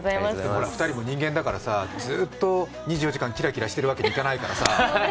２人も人間だからさ、ずっと２４時間、キラキラしているわけにはいかないからさ。